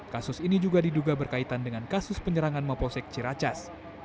kasus ini juga diduga berkaitan dengan kasus penyerangan maposek ciracas